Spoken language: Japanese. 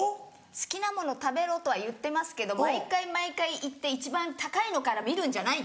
好きなもの食べろとは言ってますけど毎回毎回行って一番高いのから見るんじゃない！